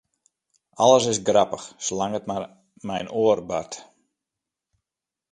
Alles is grappich, salang't it mei in oar bart.